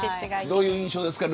どういう印象ですか